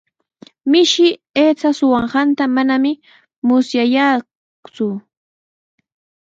Mishi aycha suqanqanta manami musyayaaku.